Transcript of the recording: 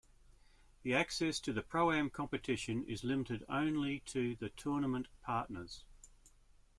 The access to the pro-am competition is limited only to the tournament partners.